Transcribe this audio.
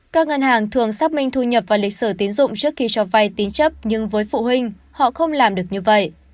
các ngân hàng thường xác minh thu nhập và lịch sử tín dụng trước khi cho vay tín chấp nhưng với phụ huynh họ không làm được như vậy